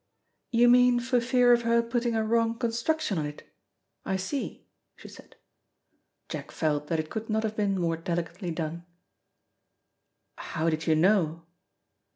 "You mean for fear of her putting a wrong construction on it? I see," she said. Jack felt that it could not have been more delicately done. "How did you know?"